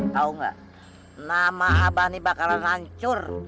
tau gak nama abah ini bakalan hancur